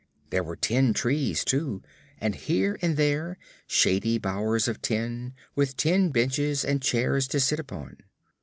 There were tin trees, too, and here and there shady bowers of tin, with tin benches and chairs to sit upon.